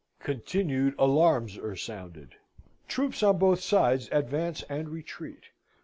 Continued alarms are sounded. Troops on both sides advance and retreat.